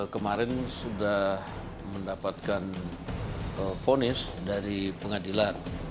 kemarin sudah mendapatkan ponis dari pengadilan